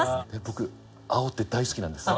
僕青って大好きなんです！